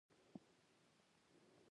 ورته وګورئ! لښکر شاته وګرځېد.